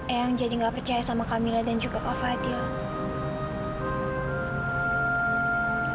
eyang jadi gak percaya sama kak mila dan juga kak fadil